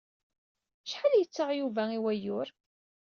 Acḥal i yettaɣ Yuba i wayyur?